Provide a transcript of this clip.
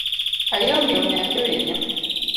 Ayomyom nyathi winyo